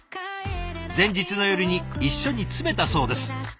前日の夜に一緒に詰めたそうです。